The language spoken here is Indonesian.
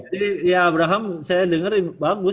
jadi ya abraham saya dengar bagus